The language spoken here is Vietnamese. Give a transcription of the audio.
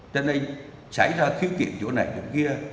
cho nên xảy ra khiếu kiện chỗ này chỗ kia